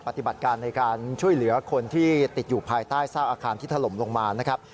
ปฏิบัติการในการช่วยเหลือคนที่ติดอยู่ภายใต้ซากอาคารที่ถล่มลงมานะครับ